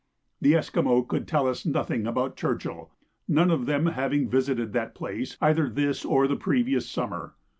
The Esquimaux could tell us nothing about Churchill, none of them having visited that place either this or the previous summer.